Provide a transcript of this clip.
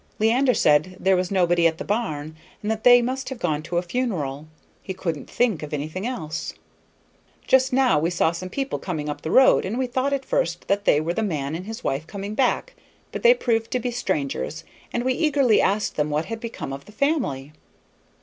Leander said there was nobody at the barn, and that they must have gone to a funeral; he couldn't think of anything else. Just now we saw some people coming up the road, and we thought at first that they were the man and his wife coming back; but they proved to be strangers, and we eagerly asked what had become of the family.